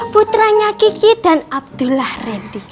putranya kiki dan abdullah rendy